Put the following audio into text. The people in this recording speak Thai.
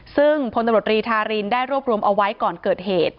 ซึ่งพลตำรวจรีธารินได้รวบรวมเอาไว้ก่อนเกิดเหตุ